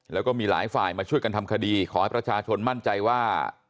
แล้วก็มีหลายฝ่ายมาช่วยกันทำคดีขอให้ประชาชนมั่นใจว่า